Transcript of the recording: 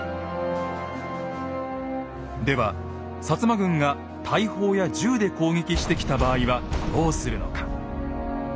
では摩軍が大砲や銃で攻撃してきた場合はどうするのか。